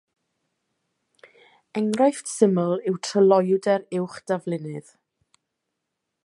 Enghraifft syml yw tryloywder uwch-daflunydd.